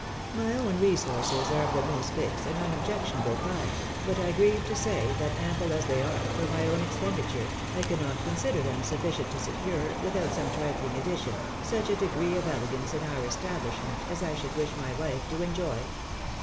My own resources are of the most fixed and unobjectionable kind ; but I grieve to say that, ample as they are for my own expen diture, I cannot consider them sufficient to secure, without some triiiing addition, such a degree of elegance in our establish ment as I should wish my wife to enjoy.